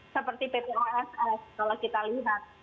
seperti pt oss kalau kita lihat